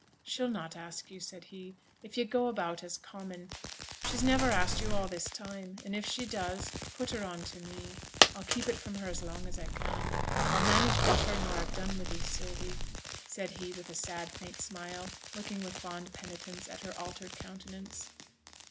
'She'll not ask yo',' said he, 'if yo' go about as common. She's never asked yo' all this time, an' if she does, put her on to me. I'll keep it from her as long as I can; I'll manage better nor I've done wi' thee, Sylvie,' said he, with a sad, faint smile, looking with fond penitence at her altered countenance.